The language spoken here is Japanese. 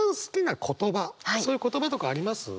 そういう言葉とかあります？